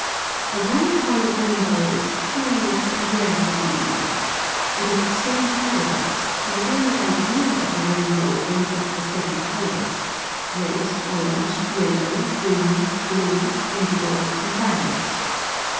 A one coloured rainbow is a curious and rare phenomenon. It is a strange paradox, for the very idea of a rainbow brings up the seven colours red, orange, yellow, green, blue, indigo, and violet.